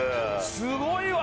すごいわ。